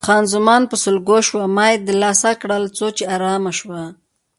خان زمان په سلګو شوه، ما یې دلاسا کړل څو چې آرامه شوه.